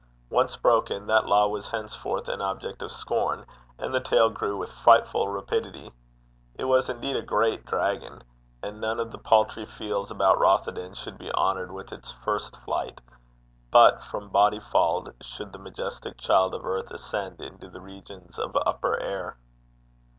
Once broken, that law was henceforth an object of scorn, and the tail grew with frightful rapidity. It was indeed a great dragon. And none of the paltry fields about Rothieden should be honoured with its first flight, but from Bodyfauld should the majestic child of earth ascend into the regions of upper air.